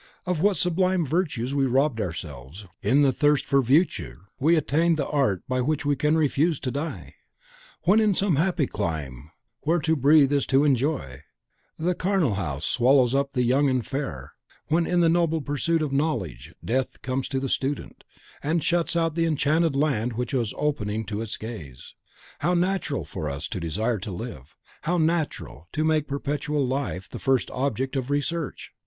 Of what sublime virtues we robbed ourselves, when, in the thirst for virtue, we attained the art by which we can refuse to die! When in some happy clime, where to breathe is to enjoy, the charnel house swallows up the young and fair; when in the noble pursuit of knowledge, Death comes to the student, and shuts out the enchanted land which was opening to his gaze, how natural for us to desire to live; how natural to make perpetual life the first object of research!